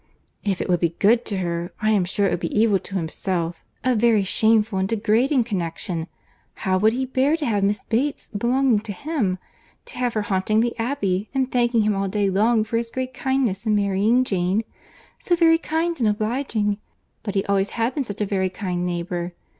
"If it would be good to her, I am sure it would be evil to himself; a very shameful and degrading connexion. How would he bear to have Miss Bates belonging to him?—To have her haunting the Abbey, and thanking him all day long for his great kindness in marrying Jane?—'So very kind and obliging!—But he always had been such a very kind neighbour!